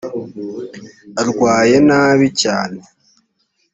arwaye nabi cyane